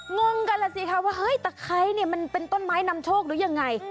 งงกันล่ะสิคะว่าเฮ้ยตะไคร้เนี่ยมันเป็นต้นไม้นำโชคหรือยังไง